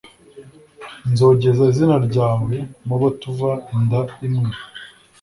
Nzogeza izina ryawe mu bo tuva inda imwe